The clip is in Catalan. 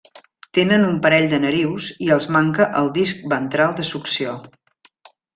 Tenen un parell de narius i els manca el disc ventral de succió.